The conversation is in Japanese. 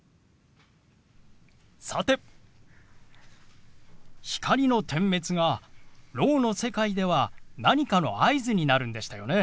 さて光の点滅がろうの世界では何かの合図になるんでしたよね。